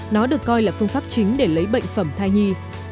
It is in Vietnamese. nó được coi là phương pháp chính để lấy bệnh phẩm thai nhi